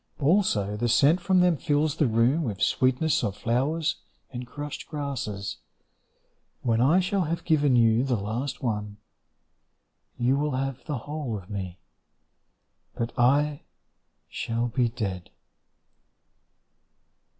Also the scent from them fills the room With sweetness of flowers and crushed grasses. When I shall have given you the last one, You will have the whole of me, But I shall be dead.